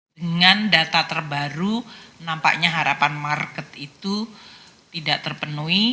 dengan data terbaru nampaknya harapan market itu tidak terpenuhi